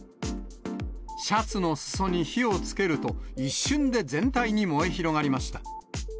シャツの裾に火をつけると、一瞬で全体に燃え広がりました。